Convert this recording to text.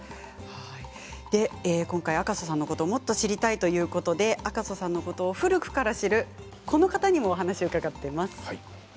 赤楚さんのこともっと知りたいということで赤楚さんのことを古くから知るこの方にもお話を伺っています。